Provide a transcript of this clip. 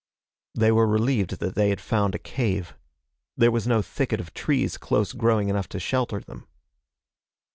They were relieved that they had found a cave. There was no thicket of trees close growing enough to shelter them.